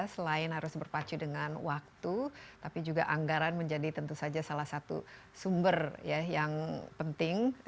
selain harus berpacu dengan waktu tapi juga anggaran menjadi tentu saja salah satu sumber yang penting